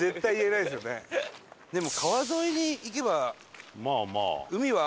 でも川沿いに行けば海は。